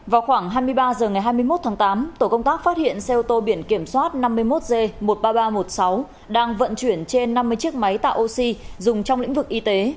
vào khoảng hai mươi ba h ngày hai mươi một tháng tám tổ công tác phát hiện xe ô tô biển kiểm soát năm mươi một g một mươi ba nghìn ba trăm một mươi sáu đang vận chuyển trên năm mươi chiếc máy tạo oxy dùng trong lĩnh vực y tế